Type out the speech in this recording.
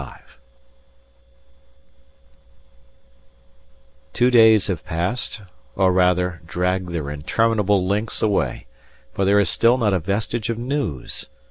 Two days have passed, or, rather, dragged their interminable lengths away, for there is still not a vestige of news.